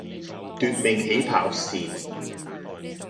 奪命起跑線